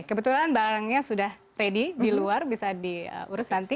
kebetulan barangnya sudah ready di luar bisa diurus nanti